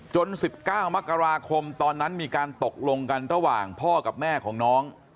๑๙มกราคมตอนนั้นมีการตกลงกันระหว่างพ่อกับแม่ของน้อง